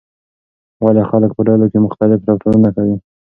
ولې خلک په ډلو کې مختلف رفتارونه کوي؟